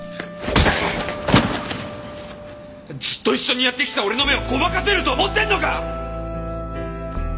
ずっと一緒にやってきた俺の目をごまかせると思ってるのか！